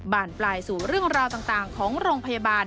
บานปลายสู่เรื่องราวต่างของโรงพยาบาล